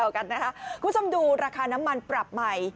คุณผู้ชมดูราคาน้ำมันปรับใหม่